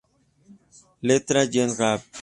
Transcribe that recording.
Letra: Jens Gad